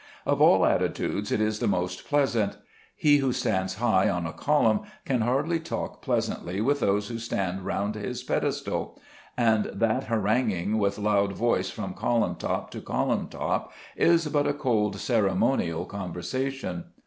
Of all attitudes it is the most pleasant. He who stands high on a column can hardly talk pleasantly with those who stand round his pedestal; and that haranguing with loud voice from column top to column top is but a cold ceremonial conversation.